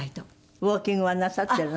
ウォーキングはなさっているの？